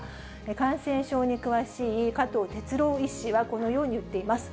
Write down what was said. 感染症に詳しい加藤哲朗医師は、このように言っています。